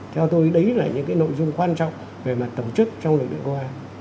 theo tôi đấy là những nội dung quan trọng về mặt tổ chức trong lực lượng công an